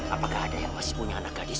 apakah ada yang masih punya anak gadis